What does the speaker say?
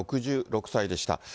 ６６歳でした。